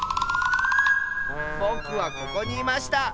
ぼくはここにいました！